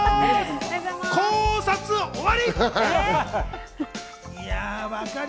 考察終わり！